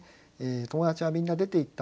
友達はみんな出て行った。